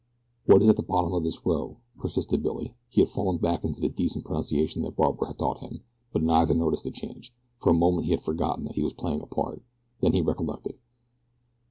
"What is at the bottom of this row?" persisted Billy. He had fallen back into the decent pronunciation that Barbara had taught him, but neither noticed the change. For a moment he had forgotten that he was playing a part. Then he recollected.